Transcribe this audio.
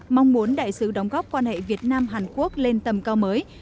mong muốn đại sứ đóng góp quan hệ việt nam hàn quốc lên tầm cao mới